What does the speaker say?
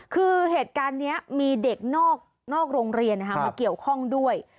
คือเหตุการณ์นี้มีเด็กนอกโรงเรียนมาเกี่ยวข้องด้วย